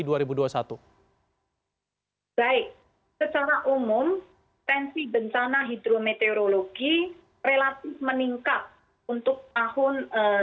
baik secara umum tensi bencana hidrometeorologi relatif meningkat untuk tahun dua ribu dua